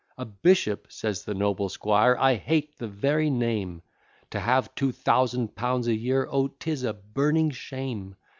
"A bishop," says the noble squire, "I hate the very name, To have two thousand pounds a year O 'tis a burning shame!